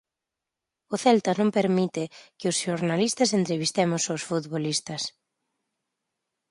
O Celta non permite que os xornalistas entrevistemos os futbolistas.